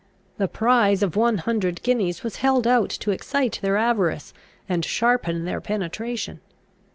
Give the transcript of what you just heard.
The prize of one hundred guineas was held out to excite their avarice and sharpen their penetration.